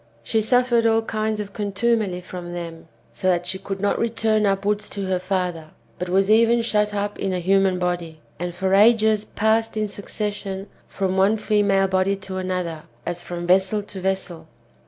She suffered all kinds of contumely from them, so that she could not return upwards to her father, but was even shut up in a human body, and for ages passed in succession from one female body to another, as from vessel to vessel.